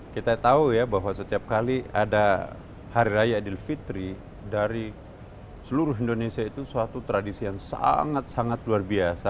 kita tahu ya bahwa setiap kali ada hari raya idul fitri dari seluruh indonesia itu suatu tradisi yang sangat sangat luar biasa